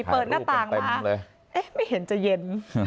เปิดหน้าต่างมาเอ๊ะไม่เห็นจะเย็น